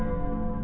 aku mau lihat